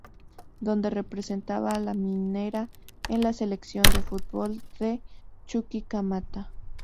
Donde representaba a la minera en la Selección de Fútbol de Chuquicamata.